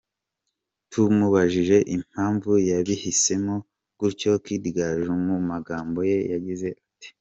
Tumubajije impamvu yabihisemo gutyo, Kid Gaju mu magambo ye yagize ati:.